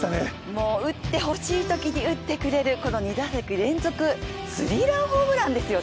もう打って欲しいときに打ってくれる、この２打席連続スリーランホームランですよ